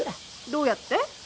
どうやって？